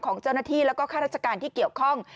ของเจ้าหน้าที่แล้วก็ข้าราชการที่เกี่ยวข้อง